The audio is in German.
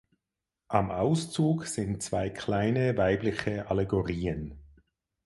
Am Auszug sind zwei kleine weibliche Allegorien.